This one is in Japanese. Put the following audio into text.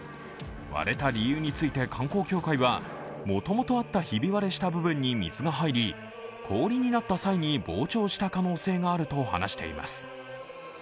割れた理由について観光協会はもともとあったひび割れした部分に水が入り氷になった際に膨張した可能性があると話しています。